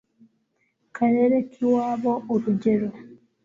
karere k iwabo urugero